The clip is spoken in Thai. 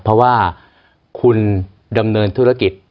เพราะว่าคุณดำเนินธุรกิจ